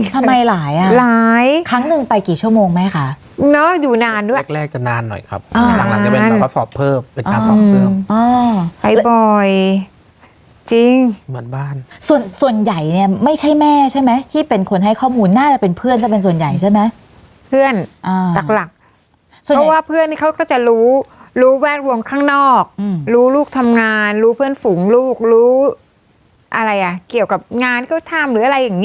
ทำไมหลายอ่ะหลายครั้งหนึ่งไปกี่ชั่วโมงไหมคะเนอะอยู่นานด้วยแรกแรกจะนานหน่อยครับอ่าหลังจะเป็นแบบว่าสอบเพิ่มเป็นการสอบเพิ่มอ่าไฮบอยจริงเหมือนบ้านส่วนส่วนใหญ่เนี่ยไม่ใช่แม่ใช่ไหมที่เป็นคนให้ข้อมูลน่าจะเป็นเพื่อนจะเป็นส่วนใหญ่ใช่ไหมเพื่อนอ่าตักหลักเพราะว่าเพื่อนเขาก็จะรู้รู้แวดวงข้างนอกอืมร